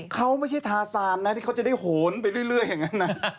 เขาไม่ใช่ทาซานนะที่เขาจะได้โหนไปเรื่อยอย่างนั้นนะ